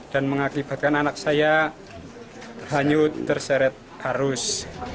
dan mengakibatkan anak saya hanyut terseret arus